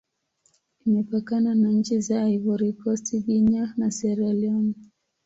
Imepakana na nchi za Ivory Coast, Guinea, na Sierra Leone.